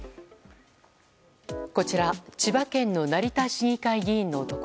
こちら、千葉県の成田市議会議員の男。